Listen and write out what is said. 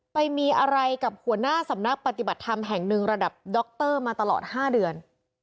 ไปมีอะไรกับหัวหน้าสำนักปฏิบัติธรรมแห่งหนึ่งระดับดรมาตลอด๕เดือน